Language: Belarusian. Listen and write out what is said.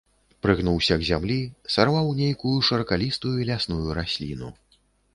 Прыгнуўся к зямлі, сарваў нейкую шыракалістую лясную расліну.